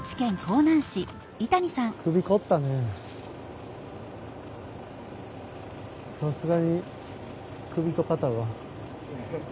さすがに首と肩が。